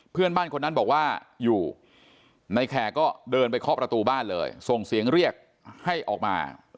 เพื่อนบ้านคนนั้นบอกว่าอยู่ในแขกก็เดินไปเคาะประตูบ้านเลยส่งเสียงเรียกให้ออกมา